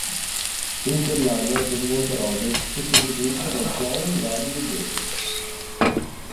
In quell'anno, il presidente Rogers fu sostituito da John W. Day.